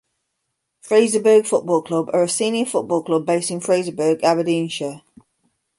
Fraserburgh Football Club are a senior football club based in Fraserburgh, Aberdeenshire.